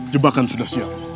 jebakan sudah siap